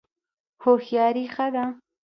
هوښیاري ښه ده.